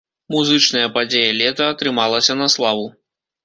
Музычная падзея лета атрымалася на славу.